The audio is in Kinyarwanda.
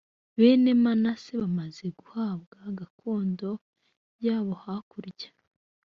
bene manase bamaze guhabwa gakondo yabo hakurya